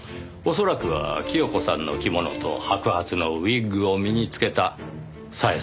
恐らくは清子さんの着物と白髪のウィッグを身に着けた小枝さん。